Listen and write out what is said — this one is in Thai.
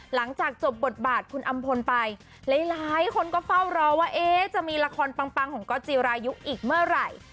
หลังจากจบบทบาทคุณอำพลไปหลายคนก็เฝ้ารอว่าจะมีละครปังของก๊อตจิรายุอีกเมื่อไหร่